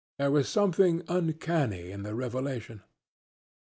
There was something uncanny in the revelation.